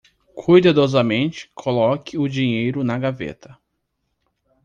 Cuidadosamente coloque o dinheiro na gaveta